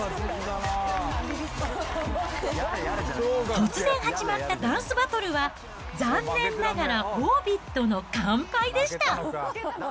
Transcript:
突然始まったダンスバトルは、残念ながら、オービットの完敗でした。